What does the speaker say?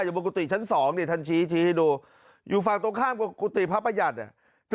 อยู่บนกุฏิชั้น๒ท่านชี้ชี้ให้ดูอยู่ฝั่งตรงข้างบนกุฏิพระประหยัด